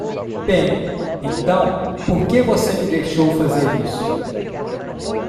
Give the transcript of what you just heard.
"Bem, então? por que você me deixou fazer isso?"